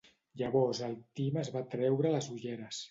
Llavors el Tim es va treure les ulleres.